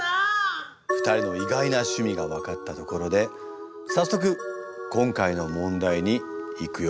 ２人の意外な趣味が分かったところで早速今回の問題にいくよ。